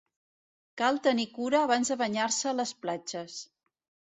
Cal tenir cura abans de banyar-se a les platges.